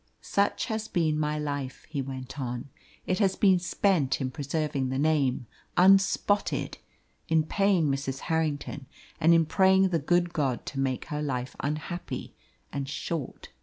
"Such has been my life," he went on. "It has been spent in preserving the name unspotted, in paying Mrs. Harrington, and in praying the good God to make her life unhappy and short.